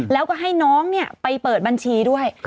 แล้วก็ให้น้องไปเปิดบัญชีด้วย